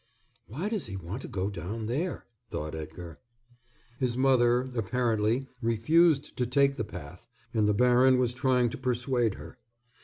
"Why does he want to go down there?" thought Edgar. His mother, apparently, refused to take the path, and the baron was trying to persuade her.